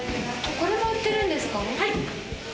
これも売っているんですか？